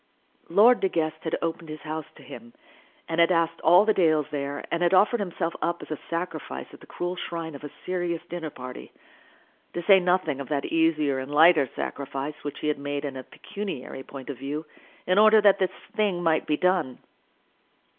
Lord De Guest had opened his house to him, and had asked all the Dales there, and had offered himself up as a sacrifice at the cruel shrine of a serious dinner party, to say nothing of that easier and lighter sacrifice which he had made in a pecuniary point of view, in order that this thing might be done.